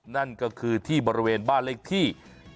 นั่นก็คือที่บริเวณบ้านเลขที่